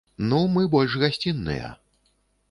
Ну, мы больш гасцінныя.